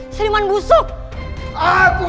ini bukan tubuhku